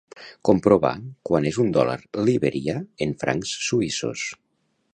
Comprovar quant és un dòlar liberià en francs suïssos.